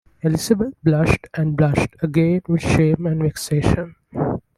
Elizabeth blushed and blushed again with shame and vexation.